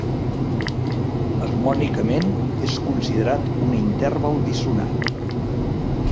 Harmònicament és considerat un interval dissonant.